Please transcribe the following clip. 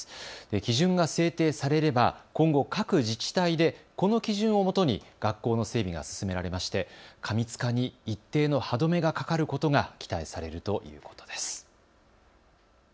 基準が制定されれば今後、各自治体で、この基準をもとに学校の整備が進められまして過密化に一定の歯止めがかかることが期待されるということです。